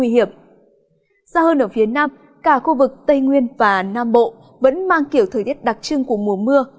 ra hơn ở phía nam cả khu vực tây nguyên và nam bộ vẫn mang kiểu thời tiết đặc trưng của mùa mưa